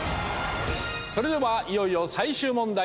それではいよいよ最終問題。